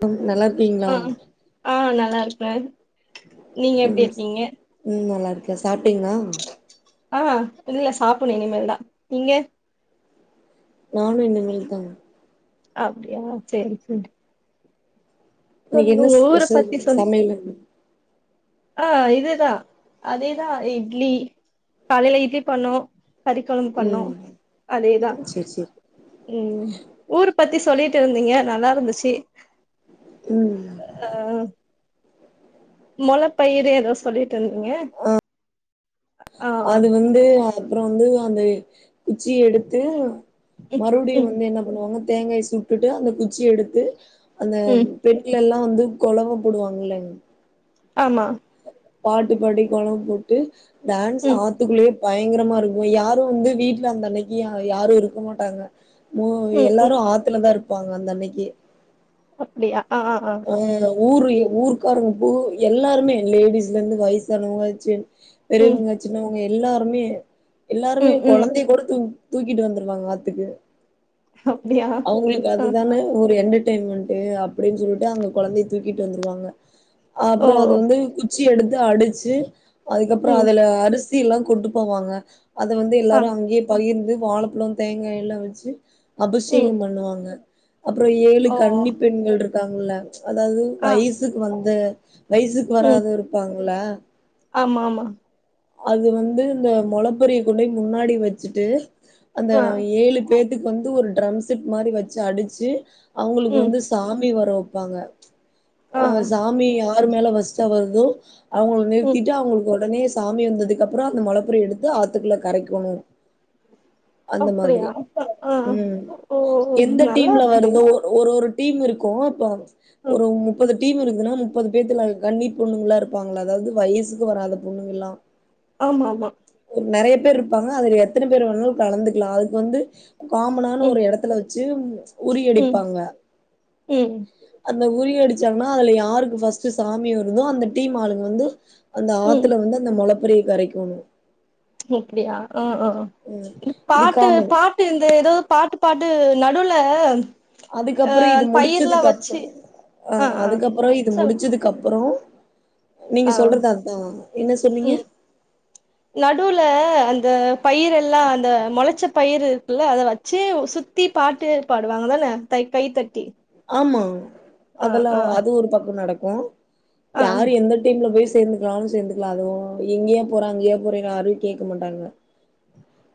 ப்ம் நல்லாருக்கீங்களா ஆஹ் நல்லாருக்கே நீங்க எப்டி இருக்கீங்க த்தா சாப்ட்டீங்ளா ஆஹ் இல்ல சாப்புட்ணூ இனிமேல் தா நீங்க நானு இந்தமேரி தாங்க அப்டியா செர் செரி இன்னிக்கு என்ன ஸ்பெஷல் சமையல் வந்து ஆஹ் இதுதா அதேதா இட்லி காலயில இட்லி பண்ணோ கறிக்கொலம்பு பண்ணோ ம் அதேதா சேரி சேரி உம் ஊர் பத்திஸ் சொல்லிட்டு இருந்தீங்க நல்லா இருந்துச்சு உம் மொளப்பயிரு ஏதோ சொல்லிட்ருந்தீங்க அது வந்து அஹ் அப்பற வந்து அந்தய் குச்சிய எடுத்து ம் மறுப்டியு ம் வந்து என்ன பண்ணுவாங்கனா தேங்காய சுட்டுட்டு அந்த குச்சி எடுத்து அந்த ம் பெண்கள்ளல்லா அஹ் வந்து கொலவ போடுவாங்க இல்லைங் ஆமா பாட்டு பாடி கொலவ போட்டு டா இந்த ம் ஆத்துக்குள்ளேப் பயங்கரமா இருக்குமோ யாரு வந்து வீட்டுல அந்த அன்னைக்கு யா யாரு இருக்க மாட்டாங்க மோ ம் ம் எல்லாரு ஆத்துலதா இருப் ப்பாங்க அந்தன்னைக்கே அப்டியா ஆ ஆ ஆ ஐயய்யோ ஊர்ல்லியே ஊருக்காருங்க ஃபுல் எல்லாருமே லேடிஸ்லேருந்து வயசானவங்க ஜென் ம் பெரியவங்க சின்னவங்க எல் எல்லாருமே எல்லாருமே ம் ம் கொழந்தயக்கூட தூக் தூக்கிட்டு வந்துருவாங்க ஆத்துக்கு அப்டியா அவ்ங்களுக்கு ஆ அதுதானே ஒரு எண்டர் டைமென்ட்டு அப்டின் சொல்ட்டு அங்க கொழந்தய தூக்கிட்டு வந்துருவாங்க ஓ அப்றோ அது வந்து குத் ச்சி எடுத்து அடுச்சு அதுக்கப்ற ம் அதுல அரிசி து எல்லாங் கொண்டு போவாங்க அது வந்து ஆ எல்லாரு அங்கே பகிர்ந்து வாழப்பழ தேங்கா எல்லா வச்சு அ ம் த்தயம் பண்ணுவாங்க அப்றோ ஏழு ஓ கன்னிப் பெண்கள் இருக் காங்ள அதாவ்து ஆ வயசுக்கு வந்த வய்சுக்கு ம் வராது இருப்பாங்க போல ஆமா ஆமா அது வந்து இந்த மொளப்பாரிய கொண்டோய் முன்னாடி வச்சுட்டு அந்த ஆ ஏழு பேர் இதுக்கு வந்து ஒரு ட்ரம் செட் மாரி வச்சு அடிச்சு அவ்ங்களுக்கு ம் வந்து சாமி வரும் பாங்க ஆ ஆஹ் சாமியா யாரு மேல ஃபஸ்ட்டு வருது அவ்ங்கள ம் நிறுத்திட்டு அவ்ங்களுக்கு ஒடனே சாமி வந்ததுக்கப்றோ அந்த மொளப்பாரிய எடுத்து ஆத்துக்குள்ள கரைக்கணு அந்த மாதிரி அப்டியா அ ஆ உம் ஓ எந்த நல்லா டீம்ல இருக்கே வருதோ ஒரு ஒரு டீம் இருக்கு அப்ப ம் ஒரு முப்பது டீம் இருக்குதுனா முப்பது பேத்துல கன்னிப் பொண்ணுங்களா இருப்பாங்களா அதாவ்து வயசுக்கு வராத பொண்ணுங்கள்லா ஆமா ஆமா நெறையா பேர் இருப்பாங்க அதுல எத்தன பேர் வேணாலு கலந்துக்லா அதுக்கு வந்து காமனான ம் ஒரு எடத்துல டீம்மு ம் உறியடிப்பாங்க அது ம் அந்த உரியடிச்சாங்கன்னா அதுல யாருக்கு ஃபர்ஸ்ட் சாமி வருந்தோ அந்த டீம் ஆளுங்க வந்து அந்த ம் ஆத்துல வந்து மொளப்பாரிய கரைக்கெணு ஓ அப்டியா அ அ அ இது பாட்டு காமன் பாட்டு இந்த ஏதோ பாட்டு பாட்டு இது நடுவுல அ அதுக்கப்பறோ இது பயிர்லா முடிச்சதுக்கு வச்சு அப்பறோ அ ஆ ஆ அதுக்கப்பறோ இது சொல்லுங் முடிச்சதுக்கு அப்றோ நீங்க ஆ சொல்றத அதுதா என்ன சொன்னீங்க ம் நடுவுல அந்த பயிரெல்லா அந்த மொளச்ச பயிர் இருக்குல்ல அத வச்சு சுத்தி பாட்டு பாடுவாங்க தான தை கைத்தட்டி ஆமா அதெல்லா அது ஒரு பக்கோ நடக்கு க்கும் ஆ யாரு எந்த டீம்ல போய் சே சேர்ந்துக்கலானு சேர்ந்துக்கலா அதுவு எங்கேயே போறாங்க எங்கேயே போறீங்கனு யாரும் கேக்க மாட்டாங்க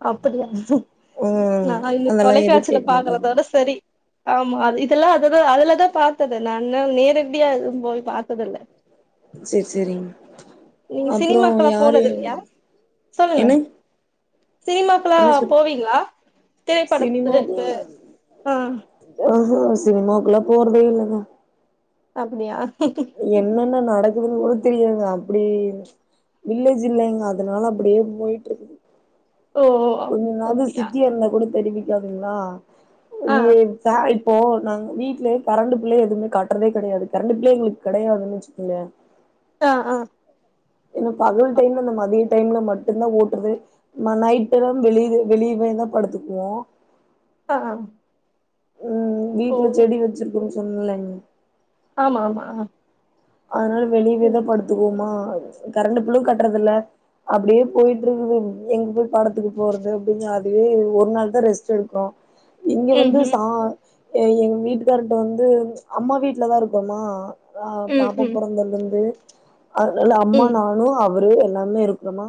அப்டியா ம் ம் நா இந்த அதெல்லா எதுவு தொலைக்காட்சியில கேக்க மாட்டாங்க பாக்குறதோட செரி ஆமா அது இதெல்லா அதுதா அதுலதா பாத்தது நானு நேரடியா போய் பாத்ததுல்ல செரி செரிங் நீங்க சினிமாக்கலா போனது இல்லயா சொல்லுங்க என்ன சினிமாக்கலா என்ன சொல் போவீங்களா திரைப்படத்து இருக்கு ஆ ஆ ஹ சினிமாவுக்குல்லா போறதே இல்லங்க அப்டியா என்னன்ன ந நடக்குதுன்னு கூட தெரியலங்க அப்டி வில்லேஜ் இல்லைங்க அதனால அப்படியே போயிட்டு இருக்குது ஓ கொஞ்ச நாள்ல அப்படியா சிட்டி இருந்த கூட தெரிவிக் தெரியாதுங்களா ஆ வி ஐப் சாயிப் இப்போ நாங்க வீட்லயே கரண்டு பில்லே எதுவுமே கட்றதே கெடையாது கரண்டு பில்லேயே எங்களுக்கு கெடையாதுன்னு வச்சுக்கங்ளே [unintelligible] ஆ என்ன பகல் ஆ டைம்ல இந்த மதியம் ட் டைம்ல மட்டும்தா ஓட்டுறது நைட் டைம் எல்லா வெளியவே வெளியவேதா படுத்துக்குவோ அ அம் ம் வீட்ல செடி வச்சுருக்கோங் உல்லன் ஆமா ஆமா ஆ அதனால வெளியவே தா ம் படுத்துக்குவோமா கரண்டு புள் கட்டுறதுல்ல அப்படியே போயிட்ருக்குது எங்க போய் படத்துக்கு போறது அப்படின்னு அதுவே ஒரு நாள்தா ரெஸ்ட் எடுத்தோ இங்க வந்து ம்ஹும் சா எங்க வீட்டுக்காரட்ட வந்து அம்மா வீட்டுல தா இருக்கோமா அதா ம் பாப்பாப் ம் புரந்தலருந்து அதனால அம்மா ம் நானுமழ் அவ் ஒரு வேல எல்லாமே இருக்கமா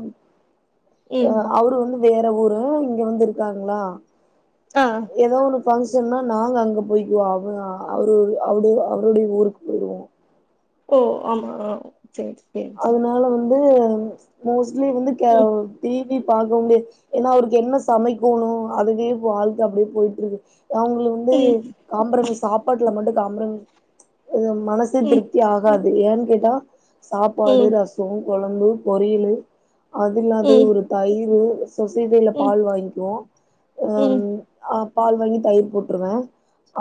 ஆ ம் அவரு வந்து வேற ஊரு இங்க வந்து இருக்காங்களா ஆ பங்க்ஷன்னா நாங்க அங்க போயிக்குவோ அவ அவரு அவடு அவருட ஊருக்கு போயிடுவோ ஓ ஆமா செரி செரி செரி ந்து மோஸ் [unintelligible] வந்து கவ் டிவி பாக்க முடியாது ஏன்னா அவருக்கு என்ன சமைக்கோணு அதுவே வாழ்க அப்டியே போய்ட்ருக்கு அவங்களு வந்து சாப்றது சாப்பாட்டுல மட்டு தாம்ரம் இது மனசு ம் திருப்தி ஆகா ஏன்கேட்டா சாப்பாடு ம் ரசோ கொழம்பு பொரியலு அதில்லாது ம் ஒரு தயிர்ரு சொசைட்டில ம் பால் வாங்கிக்வோ ம் அப் பால் வாங்கி தயிர் போட்ருவே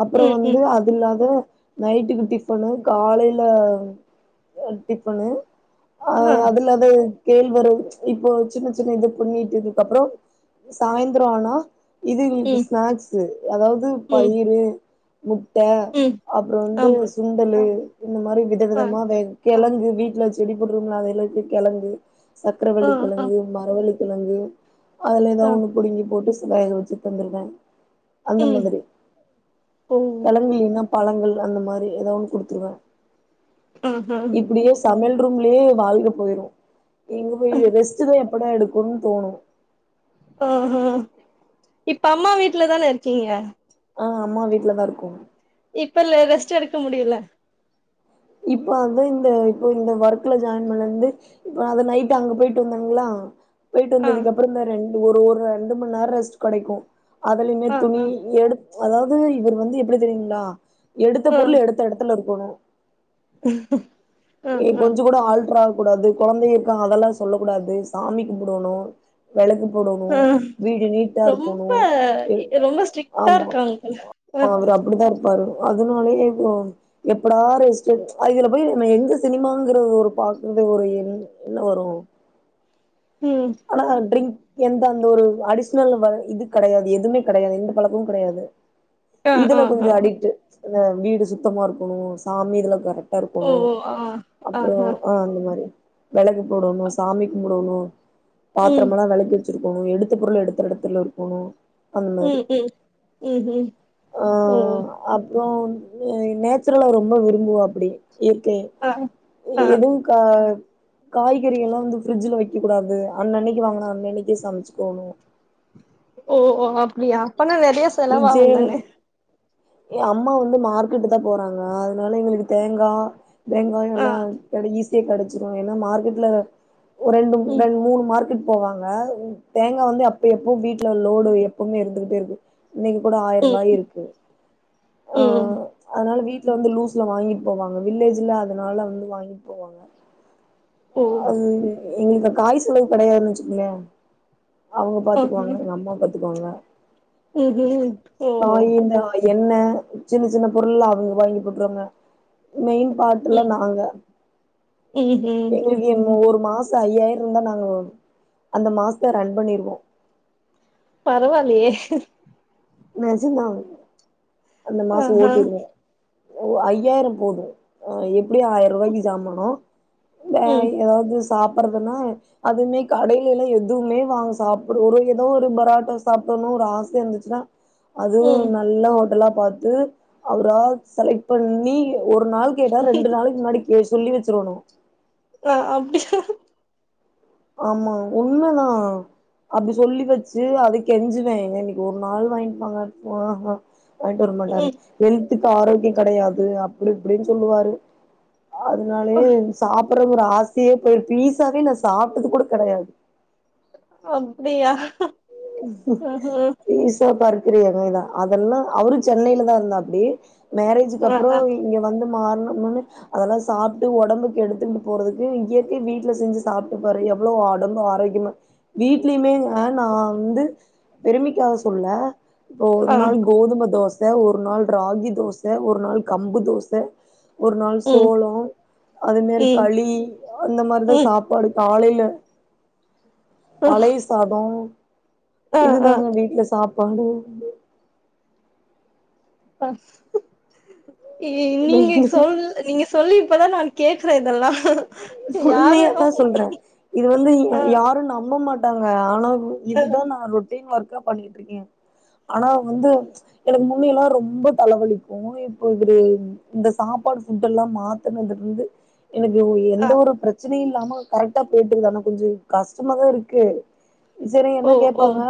அப்பற ம் ம் வந்து ம் அது இல்லாத நைட்டுக்கு டிபனு காலையில அஹ் டிப்பண்ணு ஆ அஹ் அதுலாது கேழ்வரகு இப்போ சின்ன சின்ன இது பண்ணிட்டுதுக்கு அப்பறோ சாயந்தர ஆனா இது இங்க்கு ம் ஸ்நாக்ஸு அதாவது ம் பயிரு முட்ட ம் அப்புறொ வந்து ஆமா சுண்டலு இந்த மாரி ஆ விதவிதமா வே கெழங்கு வீட்ல செடி போடுறோம்ள அதுல இருக்க கெழங்கு ஆ சக்கரவள்ளி ஆ கெழங்கு மரவள்ளிக் கெலங்கு அதுல ஏதா ஆ ஒண்ணு புடுங்கி போட்டுச் வேக வெச்சு தந்துருவே அந்த ம் மாதிரி ஓ கெளங்கு [unintelligible] பழங்கள் அந்த மாரி ஏதோ ஒன்னு குடுத்துருவே ஆஹா இப்டியே சம்யல் ரூம்லயே வாழ்க போயிரு எங்க போய் ரெஸ்டுதா எட் எப்படா எடுக்கொனு தோணு அஹ் ஹ இப்ப அம்மா வீட்லதானே இருக்கீங்க ஆஹ் அம்மா வீட்ல தா இருக்கும் இப்பல்ல ரெஸ்ட் எடுக்க முடியல இப்ப வந்து இந்த இப்ப இந்த ஒர்க்ல ஜாயின் பண்ணருந்து இப்ப அத நைட் அங்க போய்ட்டு வந்தங்க்ளா போய்ட்டு ஆ வந்ததுக்கு அப்ற இந்த ரெண் ஒரு ஒர் ரெண்டு மணி நேர ரெஸ்ட் கெடைக்கு அதுலயுமே ஆ துணி ஆ எடு அதாவது இவர் வந்து எப்டி தெரியுங்க்ளா எடுத்த ஆ பொருள் எடுத்த எடத்துல இருக் கனு [unintelligible] [unintelligible] கொஞ்ச கூட ஆள் ட்ரா கூடாது கொழந்தைங்க இருக்காங்க அதெல்லா சொல்ல கூடாது சாமி கும்புடோணு வெளக்கு போடணு ஆ வீடு நீட்டா ரொம்ப இருக்கணோ ரொம்ப ஸ்ட்ரிக்டா ஆமா இருக்காங்க போல அ அவுரு அப்டிதா இரு வரு அதனாலயே இப்பொ எப்படா ரெஸ்டு அதுங்களல போய் நா எங்க சினிமாங்குற ஒரு பாக்கும்போ ஒரு என்ன வரு ம் ஆனா ட்ரிங் எந்த அந்த ஒரு அடிஷ்னல் வ இது கெடையாது எதுமே கெடையாது எந்த பழக்கமு கெடையாது ஆ இதுல ஆ கொஞ்ச ஆ அடிக்டு இந்த வீடு சுத்தமா இருக்கணு சாமி இதலா கரெக் ஓ ஓ ஆஹ் ஓ ஆ [unintelligible] விளக்கு போடோணு சாமி கும்புடோணு ம் பாத்ரமெலா விளக்கி வச்சிருக் கொணு எடுத்த பொருள் எடுத்த எடத்துல இருக்கணு அந் மாரி ம் ம் ம் ம் ஓ ஆஹ் அப்றோ நேச்சுரல ரொம் ப விரும்புவாப்டி இர்க்கு ஆ எ ஆ எதுவுக்கா ஹ காய்கறி எல்லாம் வந்து ஃபிரிட்ஜில வைக்க கூடாது அன்னன்னைக்கு வாங்குனா அன்னன்னைக்கே சமைச்சுக்கோணு ஓ அ அப்டியா அப்பன்னா நெறைய செலவாவுந்தன்ன ஏ அம்மா வந்து மார்க்கெட்டு தா போறாங்க அதுனால எங்களுக்கு தேங்கா ஆ வெங்காயொல்லா கடைஸ் தி கிடச்சிரும் ஏன்னா மார்கெட்ல ஒ ரெண்டும் ம் ரெண் மூண் மார்க்கெட் போவாங்க தேங்கா வந்து அப்ப எப்போ வீட்ல லோடு எப்பவுமே இருந்துகிட்டே இருக்கு இன்னைக்கு கூட ம் ஆயிரங்காய் இருக்கு ம் ஆஹ் அதனால வீட் ட்ல வந்து லூஸ்ல வாங்கிட் போவாங்க வில்லேஜ்ஜில்ல அதனால வந்து வாங்கிட் போவாங்க ஓ அங் எங்களுக்க காய் செலவ் கிடையான்னு வச்சுக்கோயே அவுங்க பாத்துக்குவாங்க எங்க அம்மா பாத் துக்குவாங்க ஊஹூம் ஓ எண்ணெ சின்ன சின்ன பொருள்லாம் அவுங்க வாங்கி போட்ருவாங்க மெயின் பாட்டுலா நாங்க ஊஹீம் ஐயாயிருந்தா நாங்கோ அந்த மாசத்த ரன் பண்ணிருவோம் பரவால்லையே நெஜந்தா அந்த மாசொ ஆஹா ஓட்டிருவோம் ஒ ஐயாயிரம் போது அ எப்டியும் ஆயிரரூவாய்க்கு ஜாமானோ வே ம் ஏதாவதுஸ் சாப்புட்றதுன்னா அதுமே கடைலைலா எதுவுமே வாங் சாப்டு ஒரு ஏதோ ஒரு பராட்டா சாப்பிடனு ஒரு ஆசை இருந்துச்சுன்னா அதும் ம் நல்ல ஹோட்டலா பாத்து அவரா செலக்ட் பண்ணி ஒரு நாள் கேட்டா ரெண்டு நாளைக்கு முன்னாடி சொல்லி வச்சுரணு ஆஹ் அப்டியா ஆமா உண்மதான் அப்டி சொல்லி வச்சு அதை கெஞ்சுவன்ஏங்க இன்னைக்கு ஒரு நாள் [unintelligible] வாங்கிட்டு வர மாட்டாரு ம் எல் க்கு ஆரோக்கியம் கெடையாது அப்படி இப்படின்னு சொல்லுவாரு அதனாலயே சாப் ஒரு ஆசையே போய் பீஸாவ நான் சாப் அப்பது கூட கெடையாது அப்படியாஅஹ் இச பற் [unintelligible] அதெல்லாம் அவரும் சென்னையில தான் இருந்தாப்புடி மேரேஜக்கு ஆ அப்பறோ ஆ இங்க வந்து மாறணும்னு அதெல்லாம் சாப்பிட்டு உடம்புக்கு கெடுத்துண்டு போறதுக்கு இயற்கை வீட்டுல செஞ்சு சாப்பிட்டு பாரு எவ்வளவு உடம்பு ஆரோக்கியமா வீட்லயுமே வேணா வந்து பெருமிக்காக சொல்ல ஓர் ஆ ம் நாள் கோதுமதோச [unintelligible] ஒரு நாள் ராகி தோச ஒரு நாள் கம்பு தோச ஒரு நாள் ம் சோளொ அது மாரி ம் களி அந்த மாரிதான் ம் சாப்பாடு காலை ப பழைய சாதொ ஆ ஆ இதுதாங்க வீட்டுல சாப் பட ப்பா [unintelligible] இ நீங்க சொல் நீங்க சொல்லி இப்பதான் நான் கேட்கறேன் இதெல்லா யாரு உண்மையா ஆ தான் சொல்றேன் இது வந்து யாரும் நம்ப மாட் ட்டாங்க ஆனா ஆ இதுதான் நான் ரொட்டீன் ஒர்க் பண்ணிட்டு இருக்கே ஆனா வந்து எனக் முன்ன எல்லாம் ரொம்ப தலைவலிக்கும் இப்ப இ இந்த சாப்பாடு புட் எல்லாம் மாத்தனது இருந்து எனக்கு ஒரு ஆ பிரச்சனை பிரச்சனை இல்லாம கரெக்டா போயிட்டுக்குதுானா கொஞ்சோ கஷ்டமாாதான் இருக்கு செரி என்ன ஓ ஓ கேட்பாங்க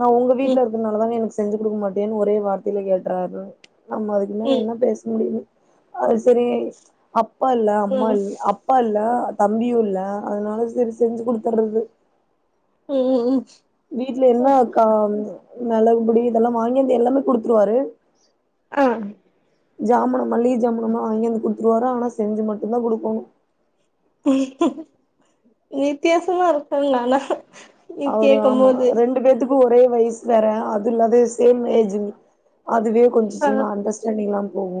நா உங்க ம் வீட்ல இருக்கனால தான எனக்கு செஞ்சு குடுக்க மாட்டேன்னு ஒரே வார்த்தையில கேட்ராறு ஆமா அதுக்குமேல ம் என்ன பேச முடிது அது செரி அப் பா இல்ல அம்மா ம் இல் அப்பா இல் ல தம்பியு இல்ல அதனால சேரி செஞ்சு குடுத்துட்றது ம் ம் ம் வீட்ல என்ன அக்கா அப்டியா ம் மெளகுபொடி இதெல்லா வாங்கியாந்து எல்லாமே குடுத்துருவாரு அ ஜாமனு மல்லிக ஜாமனுமா வாங்கியாந்து குடுத் த்ருவாரு ஆனா செஞ்சி மட்டுந்தா குடுக்கோணு வித்தியாசமா இருக்குங் ஆனா நீ அவரு கேக்கும் ஆம்மா போது ரெண்டு பேத்துக் கு ஒரே வய்சு வேற அது இல்லாத சேம் ஏஜ்ஜு அதுவே கொஞ்ச ஆ சின்ன அண்டஸ்டாண்டிங் இல்லாம போவு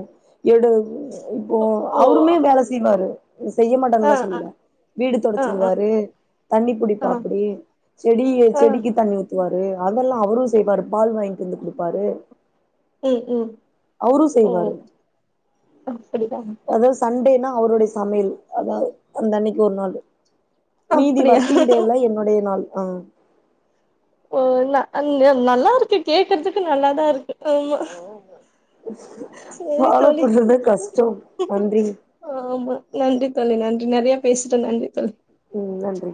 எடு [unintelligible] இப்போ ஓ அவருமே வேல செய்வாரு செய்ய ஆ மாட்டன்ல்லா ஆ சொல்லல வீடு ஆ ஆ தொடைச்சிவுடுவாரு தண்ணி ஆ புடிப்பாப்டி செடி ஆ செடிக்கு தண்ணி ஊத் துவாரு அதெல்லா அவரு செய்வாரு பால் வாங்ட்டு வந்து குடுப்பாரு ம் ம் அவரு ஓ செய்வாரு அப்படியா அதாவ் சண்டேனா அவரோடைய ச மையல் அதாவ அந்த அன்னைக் ஒரு நாளு மீதி அப்படியா ஒர்க்கிங் டேல என்னோடைய நாள் அ ஓ ந ந த நல்லா இருக்கு கேக்கற்துக்கு நல்லாதா இருக்கு ஆமா சேரி ஃபாலோ தோலி பண்றது கஷ்டம் நன்றிங் ஆம்மா நன்றி தோலி நன்றி நெறைய பேசிட்டோ நன்றி தோலி ம் நன்றி